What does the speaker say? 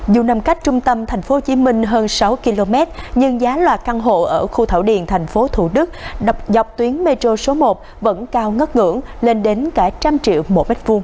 dù nằm cách trung tâm tp hcm hơn sáu km nhưng giá loạt căn hộ ở khu thảo điện tp thủ đức dọc tuyến metro số một vẫn cao ngất ngưỡng lên đến cả một trăm linh triệu một m hai